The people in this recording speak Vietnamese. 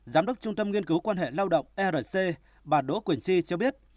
giám đốc trung tâm nghiên cứu quan hệ lao động erc bà đỗ quỳnh si cho biết